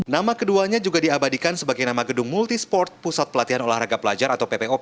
nama keduanya juga diabadikan sebagai nama gedung multi sport pusat pelatihan olahraga pelajar atau ppop